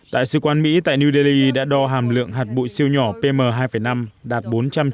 đại sứ quán mỹ tại new delhi đã đo hàm lượng hạt bụi siêu nhỏ pm hai năm đạt bốn trăm chín mươi